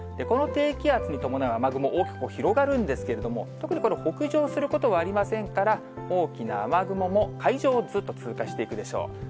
この低気圧に伴う雨雲、大きく広がるんですが、特に北上することはありませんから、大きな雨雲も海上をつーっと通過していくでしょう。